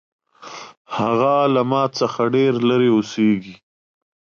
هغه له ما څخه ډېر لرې اوسیږي